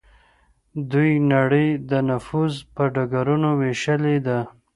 دوی نړۍ د نفوذ په ډګرونو ویشلې ده